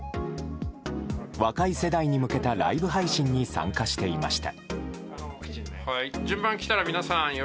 若い世代に向けたライブ配信に参加していました。